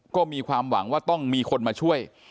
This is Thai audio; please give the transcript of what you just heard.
ก็มีความหวังว่าต้องมีคนมาช่วย